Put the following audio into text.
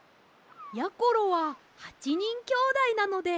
やころは８にんきょうだいなので８